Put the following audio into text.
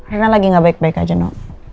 karena lagi gak baik baik aja no